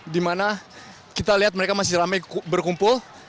dimana kita lihat mereka masih ramai berkumpul